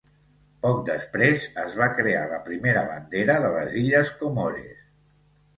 Poc després es va crear la primera bandera de les illes Comores.